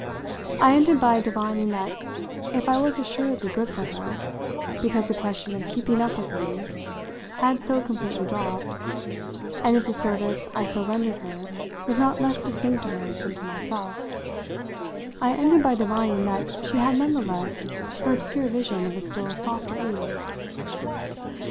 I ended by divining that if I was assuredly good for her, because the question of keeping up with me had so completely dropped, and if the service I so rendered her was not less distinct to her than to myself I ended by divining that she had none the less her obscure vision of a still softer ease.